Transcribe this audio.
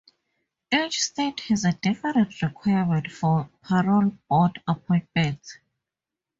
Each state has a different requirement for parole board appointment.